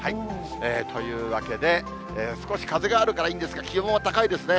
というわけで、少し風があるからいいんですが、気温は高いですね。